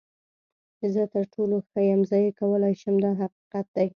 زه تر ټولو ښه یم، زه یې کولی شم دا حقیقت دی.